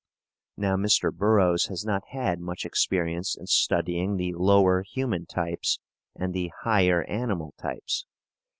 Now Mr. Burroughs has not had much experience in studying the lower human types and the higher animal types.